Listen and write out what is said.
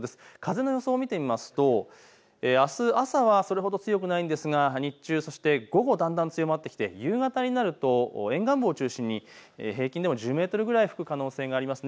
風の予想を見てみるとあす朝はそれほど強くないですが日中、そして午後、だんだん強まってきて夕方になると沿岸部を中心に平均でも１０メートルぐらい吹く可能性があります。